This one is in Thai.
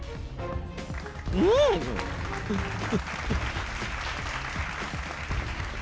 ขอบคุณครับ